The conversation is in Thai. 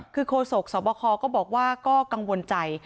คือโฆษกสวบคก็บอกว่าก็กังวลใจ